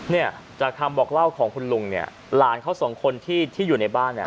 เนี่ยจากคำบอกเล่าของคุณลุงเนี่ยหลานเขาสองคนที่ที่อยู่ในบ้านเนี่ย